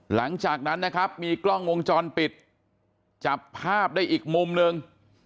หลังจากนั้นนะครับมีกล้องวงจรปิดจับภาพได้อีกมุมหนึ่ง